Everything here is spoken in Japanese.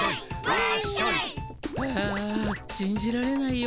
あしんじられないよ